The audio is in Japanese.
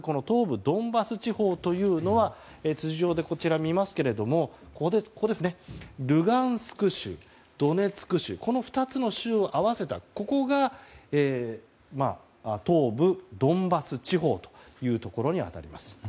東部ドンバス地方というのは地図上で見ますとルガンスク州、ドネツク州この２つの州を合わせたところが東部ドンバス地方というところに当たります。